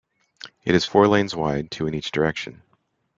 It is four lanes wide, two in each direction.